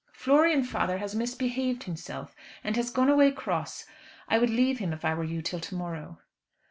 "Florian, father, has misbehaved himself, and has gone away cross. I would leave him, if I were you, till to morrow."